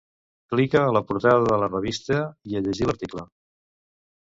Clica a la portada de la revista i a llegir l'article.